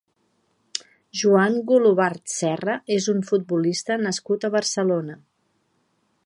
Joan Golobart Serra és un futbolista nascut a Barcelona.